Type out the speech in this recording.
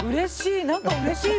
うれしい！